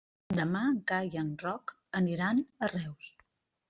Demà en Cai i en Roc aniran a Reus.